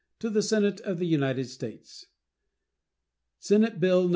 To the Senate of the United States: Senate bill No.